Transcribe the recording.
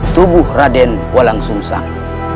tubuh raden walang sungsang